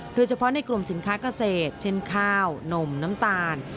โดยเฉพาะในกลุ่มสินค้าเกษตรเช่นข้าวนมน้ำตาล